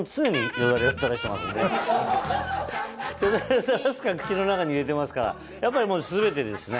よだれを垂らすか口の中に入れてますからやっぱりもう全てですね。